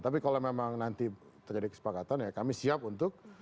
tapi kalau memang nanti terjadi kesepakatan ya kami siap untuk